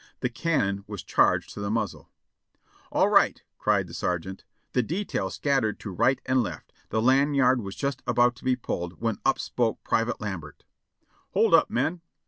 The cannon was charged to the muzzle. " 'All right !' cried the sergeant. 574 JOHNNY REB AND BILIvY YANK "The detail scattered to right and left, the lanyard was just about to be pulled, when up spoke Private Lambert :" 'Hold up, men.'